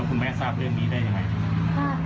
แล้วคุณแม่ทราบเรื่องนี้ได้อย่างไรอย่างไร